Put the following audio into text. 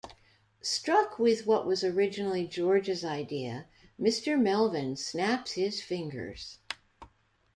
Struck with what was originally George's idea, Mr. Melvin snaps his fingers.